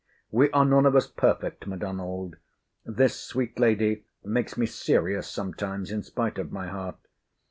We are none of us perfect, M'Donald. This sweet lady makes me serious sometimes in spite of my heart.